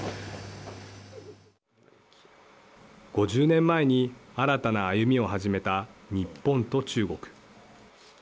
５０年前に新たな歩みを始めた日本と中国。